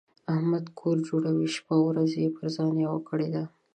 احمد کور جوړوي؛ شپه او ورځ يې پر ځان یوه کړې ده.